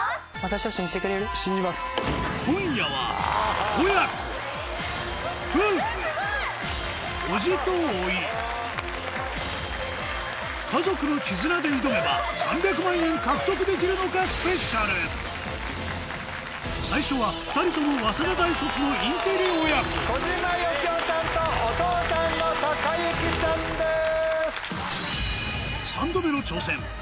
今夜はえっすごい！家族の絆で挑めば３００万円獲得できるのかスペシャル最初はのインテリ親子小島よしおさんとお父さんの孝之さんです！